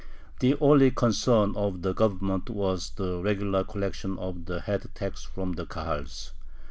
The only concern of the Government was the regular collection of the head tax from the Kahals.